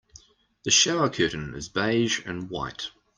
The shower curtain is beige and white.